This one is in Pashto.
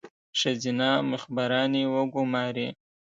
ښځینه مخبرانې وګوماري.